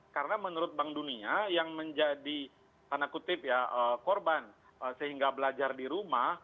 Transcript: karena menurut bank dunia yang menjadi tanda kutip ya korban sehingga belajar di rumah